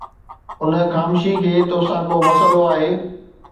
ان خامشي کي توسان ڪو مسئلو آهي